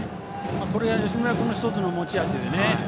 これが吉村君の１つの持ち味でね。